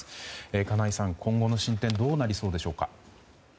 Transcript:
金井さん、今後の進展はどうなりそうでしょうか？